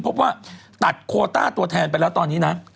พบว่าตัดโคต้าตัวแทนไปแล้วตอนนี้นะ